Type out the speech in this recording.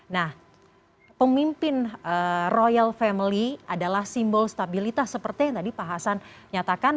nah pemimpin royal family adalah simbol stabilitas seperti yang tadi pak hasan nyatakan